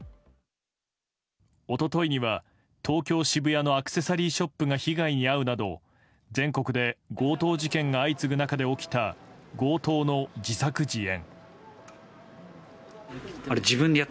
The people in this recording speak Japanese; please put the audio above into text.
一昨日には、東京・渋谷のアクセサリーショップが被害に遭うなど、全国で強盗事件が相次ぐ中で起きた強盗の自作自演。